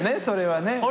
それはね。